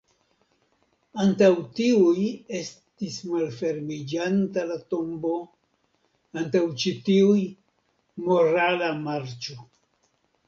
Antaŭ tiuj estis malfermiĝanta la tombo, antaŭ ĉi tiuj -- morala marĉo.